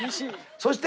そして？